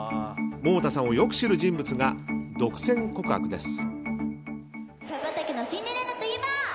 百田さんをよく知る人物が独占告白です。